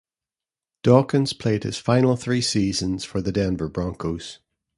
Dawkins played his final three seasons for the Denver Broncos.